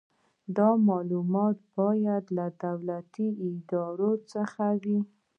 دا معلومات باید له دولتي ادارو څخه وي.